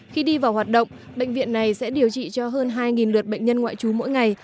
khi đi vào hoạt động bệnh viện này sẽ điều trị cho hơn hai lượt bệnh nhân ngoại trú mỗi ngày